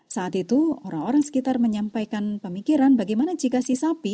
saat itu orang orang sekitar menyampaikan pemikiran bagaimana jika si sapi